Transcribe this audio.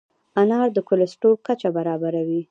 انار د کولیسټرول کچه برابروي.